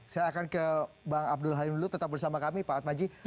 saya akan ke bang abdul halim dulu tetap bersama kami pak atmaji